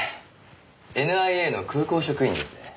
ＮＩＡの空港職員です。